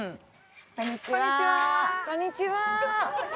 こんにちは。